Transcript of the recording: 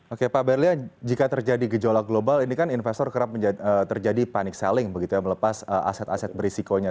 oke pak berlian jika terjadi gejolak global ini kan investor kerap terjadi panic selling begitu ya melepas aset aset berisikonya